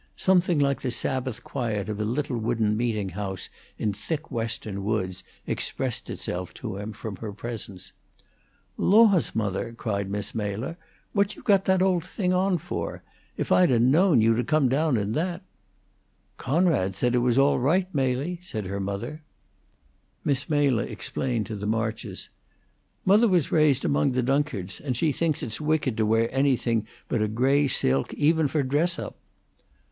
Something like the Sabbath quiet of a little wooden meeting house in thick Western woods expressed itself to him from her presence. "Laws, mother!" said Miss Mela; "what you got that old thing on for? If I'd 'a' known you'd 'a' come down in that!" "Coonrod said it was all right, Mely," said her mother. Miss Mela explained to the Marches: "Mother was raised among the Dunkards, and she thinks it's wicked to wear anything but a gray silk even for dress up."